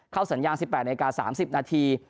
เข้าสัญญาณสิบแปดนาฬิกาสามสิบนาที